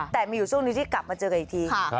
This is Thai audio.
แต่มีอยู่ช่วงนี้ที่กลับมาเจอกันอีกที